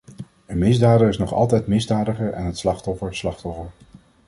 Een misdadiger is nog altijd misdadiger en het slachtoffer slachtoffer.